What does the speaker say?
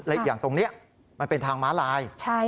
และอีกอย่างตรงนี้มันเป็นทางม้าลาย